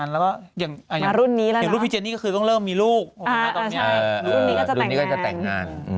สุดท้ายก็เป็นยุคนี้เนอะที่ต้องเริ่มมีงานแต่งงาน